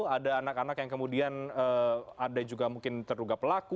ada anak anak yang kemudian ada juga mungkin terduga pelaku